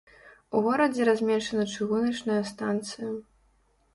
У горадзе размешчана чыгуначная станцыя.